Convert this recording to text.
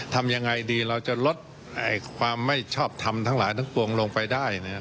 ทำยังไงดีเราจะลดความไม่ชอบทำทั้งหลายทั้งปวงลงไปได้นะครับ